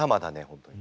本当に。